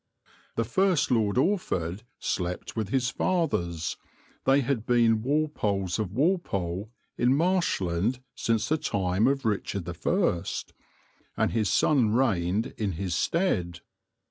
The first Lord Orford slept with his fathers they had been Walpoles of Walpole in Marshland since the time of Richard I and his son reigned in his stead.